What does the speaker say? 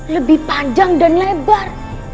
lebih panjang dan lebar